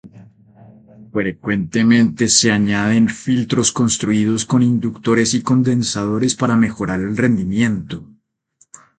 Frecuentemente se añaden filtros construidos con inductores y condensadores para mejorar el rendimiento.